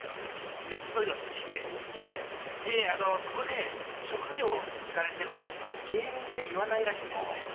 意外とそういうの好きででそこで職業聞かれても芸人って言わないらしいんですね